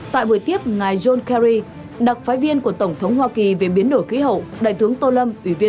tại buổi tiếp ngài john kerry đặc phái viên của tổng thống hoa kỳ về biến đổi khí hậu đại thướng tô lâm